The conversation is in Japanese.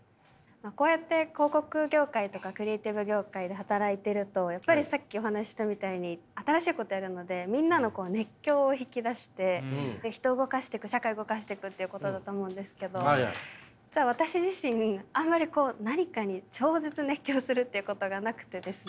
こうやって広告業界とかクリエーティブ業界で働いているとやっぱりさっきお話ししたみたいに新しいことやるのでみんなのこう熱狂を引き出して人を動かしていく社会動かしていくっていうことだと思うんですけど実は私自身あんまりこう何かに超絶熱狂するっていうことがなくてですね。